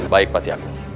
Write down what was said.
baik pak tiago